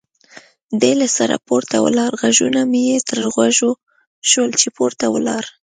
دی له سره پورته ولاړ، غږونه مې یې تر غوږو شول چې پورته ولاړل.